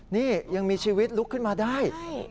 นี่ยังมีชีวิตลุกขึ้นมาได้